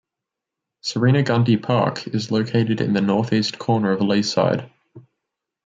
Serena Gundy Park is located in the north-east corner of Leaside.